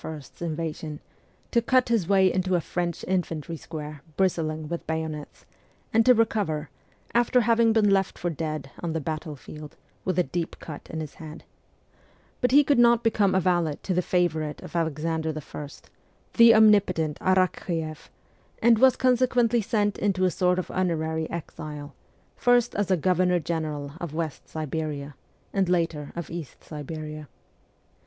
's invasion, to cut his way into a French infantry square bristling with bayonets, and to recover, after having been left for dead on the battle field, with a deep cut in his head ; but he could not become a valet to the favourite of Alexander I., the omnipotent Arakch6eff, and was consequently sent into a sort of honorary exile, first as a governor general of West Siberia, and later of East Siberia.